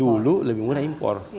dulu lebih murah impor